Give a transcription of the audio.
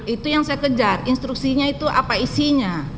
itu yang saya kejar instruksinya itu apa isinya